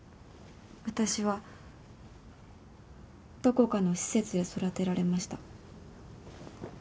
私はどこかの施設で育てられました。